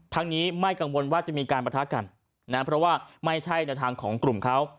ทั้งนี้ไม่กังวลว่าจะมีการประทะกันนะเพราะว่าไม่ใช่ในทางของกลุ่มเขา